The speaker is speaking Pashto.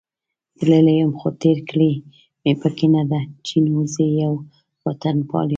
تللی یم، خو تېر کړې مې پکې نه ده، جینو: زه یو وطنپال یم.